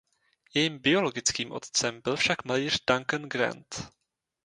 Jejím biologickým otcem byl však malíř Duncan Grant.